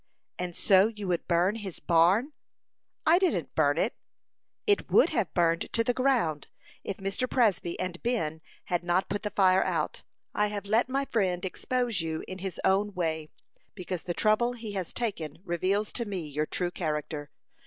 "And so you would burn his barn?" "I didn't burn it." "It would have burned to the ground, if Mr. Presby and Ben had not put the fire out. I have let my friend expose you in his own way, because the trouble he has taken reveals to me your true character.